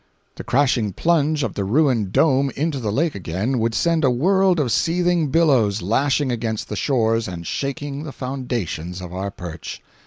The crashing plunge of the ruined dome into the lake again would send a world of seething billows lashing against the shores and shaking the foundations of our perch.